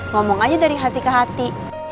ngomong aja dari hati ke hati